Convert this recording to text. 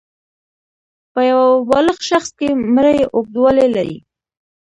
په یو بالغ شخص کې مرۍ اوږدوالی لري.